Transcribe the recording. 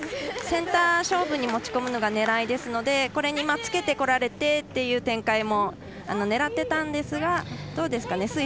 センター勝負に持ち込むのが狙いですのでこれにつけてこられてっていう展開も狙ってたんですがどうですかね。